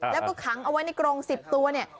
แล้วก็ขังเอาไว้ในกรง๑๐ตัวเนี่ย